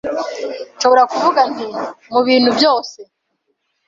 nshobora kuvuga nti “mu bintu byose